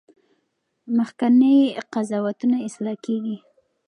مخکني قضاوتونه اصلاح کیږي.